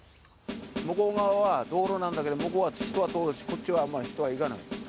向こう側が道路なんだけど、向こうは人は通るし、こっちはあんまり人が行かない。